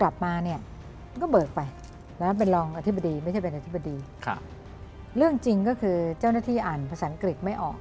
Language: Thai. เรนนี่แก่งบ๊วยบ๊วยอเรนนี่แก่งบ๊วยบ๊วย